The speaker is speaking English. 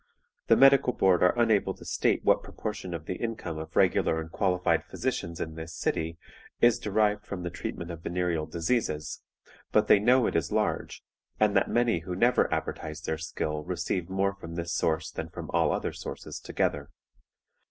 The Medical Board are unable to state what proportion of the income of regular and qualified physicians in this city is derived from the treatment of venereal diseases, but they know it is large, and that many who never advertise their skill receive more from this source than from all other sources together.